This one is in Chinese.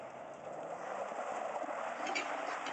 他曾任袁世凯内阁弼德院顾问大臣。